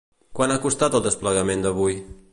Quan ha costat el desplegament d’avui?